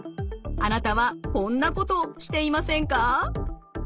あなたはこんなことしていませんか？